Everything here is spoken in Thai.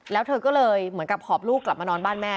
แล้วเธอก็เลยเหมือนกับหอบลูกกลับมานอนบ้านแม่